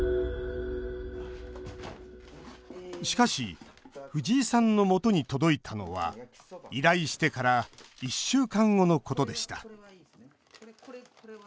しかし藤井さんのもとに届いたのは依頼してから１週間後のことでした。